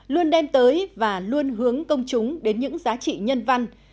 luôn đem tới và luôn hướng công chúng đến những giá trị nhân văn